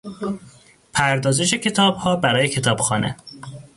پردازش کتابها برای کتابخانه